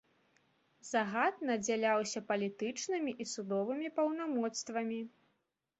Загад надзяляўся палітычнымі і судовымі паўнамоцтвамі.